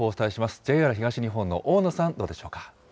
ＪＲ東日本の大野さん、どうでしょうか。